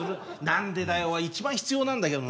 「何でだよ！」が一番必要なんだけどな。